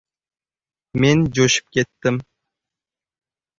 Men jo‘shib ketdim: